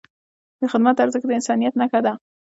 د خدمت ارزښت د انسانیت نښه ده.